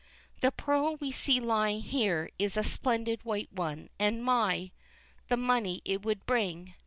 The pearl we see lying here is a splendid white one, and my! the money it would bring!